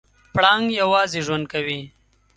پړانګ یوازې ژوند کوي.